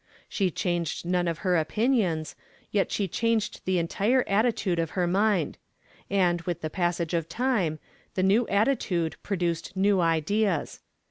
She changed none of her opinions, yet she changed the entire attitude of her mind; and, with the passage of time, the new attitude produced new ideas.